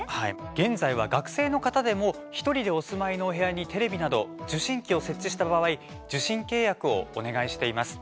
現在は、学生の方でも１人でお住まいのお部屋にテレビなど受信機を設置した場合受信契約をお願いしています。